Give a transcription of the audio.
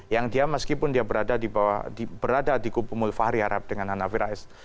yang dia meskipun dia berada di kubu mulfahri harap dengan hanafi rais